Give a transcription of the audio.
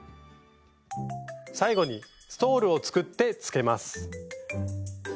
最後にストールを作ってつけます。